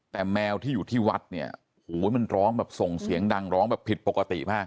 แต่แมวที่อยู่ที่วัดเนี่ยโอ้โหมันร้องแบบส่งเสียงดังร้องแบบผิดปกติมาก